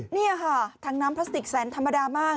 นี่ค่ะถังน้ำพลาสติกแสนธรรมดามาก